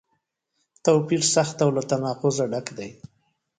توپیر سخت او له تناقضه ډک دی.